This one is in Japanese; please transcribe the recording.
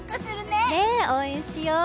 応援しよう！